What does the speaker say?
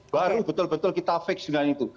baru betul betul kita fix dengan itu